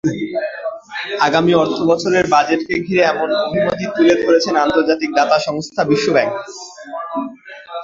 আগামী অর্থবছরের বাজেটকে ঘিরে এমন অভিমতই তুলে ধরেছেন আন্তর্জাতিক দাতা সংস্থা বিশ্বব্যাংক।